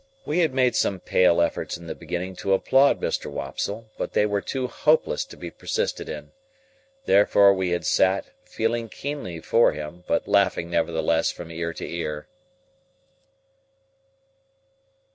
We had made some pale efforts in the beginning to applaud Mr. Wopsle; but they were too hopeless to be persisted in. Therefore we had sat, feeling keenly for him, but laughing, nevertheless, from ear to ear.